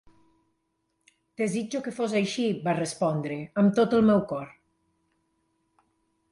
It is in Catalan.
"Desitjo que fos així," va respondre, "amb tot el meu cor".